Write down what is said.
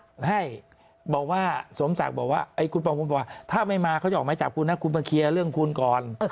ใช่บอกว่าสมศักดิ์บอกว่าคุณปองภูมิบอกถ้าไม่มาเขาจะออกไม้จับคุณนะคุณมาเคลียร์เรื่องคุณก่อน